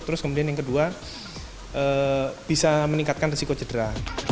terus kemudian yang kedua bisa meningkatkan risiko cedera